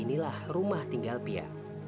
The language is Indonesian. inilah rumah tinggal pia